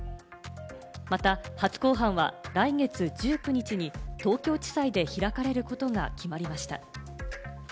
また初公判は来月１９日に東京地裁で開かれることが決まりました。